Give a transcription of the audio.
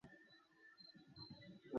ফুল ক্ষুদ্রাকার।